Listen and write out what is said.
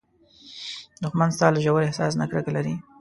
دښمن ستا له ژور احساس نه کرکه لري